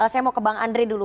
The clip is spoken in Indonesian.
saya mau ke bang andre dulu